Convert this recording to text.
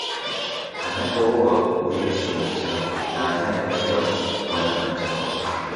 Anapooa huitwa Samachau na anaeolewa Wanamachau